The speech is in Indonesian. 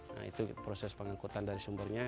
nah itu proses pengangkutan dari sumbernya